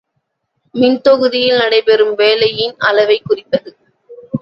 மின்தொகுதியில் நடைபெறும் வேலையின் அளவைக் குறிப்பது.